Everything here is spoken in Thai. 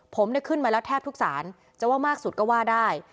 ผมเนี่ยขึ้นมาแล้วแทบทุกสารจะว่ามากสุดก็ว่าได้